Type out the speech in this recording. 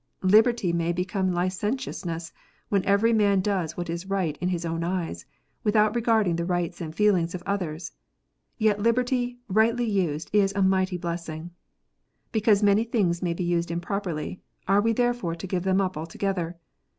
Liberty may become licentiousness, when every man does that which is right in his own eyes, without regarding the rights and feelings of others ; yet liberty, rightly used, is a mighty blessing. Because many things may be used improperly, are we therefore to give them up. altogether?